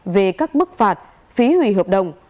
về các bức phạt phí hủy hợp đồng